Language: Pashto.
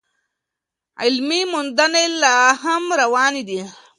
علمي موندنې لا هم روانې دي.